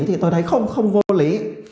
thì tôi thấy không không vô lý